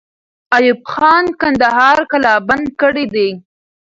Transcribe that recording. ایوب خان کندهار قلابند کړی دی.